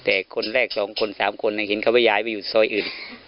แต่คนแรก๒คน๓คนเห็นเขาไปย้ายไปอยู่ซอยอื่น